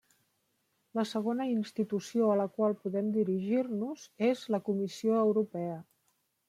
La segona institució a la qual podem dirigir-nos és la Comissió Europea.